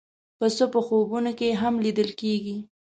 پسه په خوبونو کې هم لیدل کېږي.